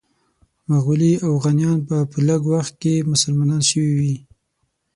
مغولي اوغانیان به په لږ وخت کې مسلمانان شوي وي.